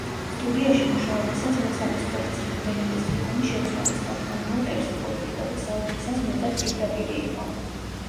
სტუდიაში მუშაობისას მესამე სტროფის რამდენიმე სტრიქონი შეცვალეს, რადგან უოტერსი პოლიტიკაზე საუბრისას მეტად პირდაპირი იყო.